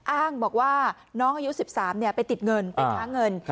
อ้างบอกว่าน้องอายุ๑๓ไปติดเงินไปค้าเงิน